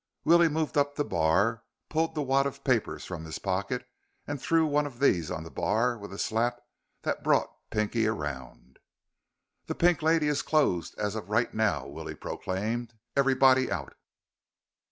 Willie moved up the bar, pulled the wad of papers from his pocket, and threw one of these on the bar with a slap that brought Pinky around. "The Pink Lady is closed as of right now!" Willie proclaimed. "Everybody out!"